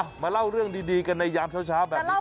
มาเล่าเรื่องดีกันในยามเช้าแบบนี้